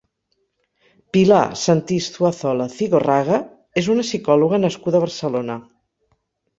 Pilar Sentís Zuazola-Cigorraga és una psicòloga nascuda a Barcelona.